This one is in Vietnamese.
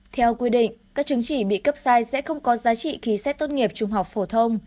theo quy định các chứng chỉ bị cấp sai sẽ không có giá trị ký xét tốt nghiệp trung học phổ thông